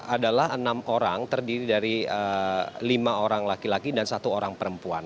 adalah enam orang terdiri dari lima orang laki laki dan satu orang perempuan